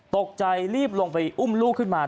ตกใจรีบลงไปอุ้มลูกขึ้นมา